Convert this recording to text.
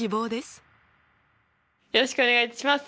よろしくお願いします。